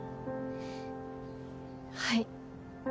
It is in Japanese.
はい。